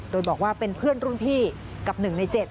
โดยบอกว่าเป็นเพื่อนรุ่นพี่กับ๑ใน๗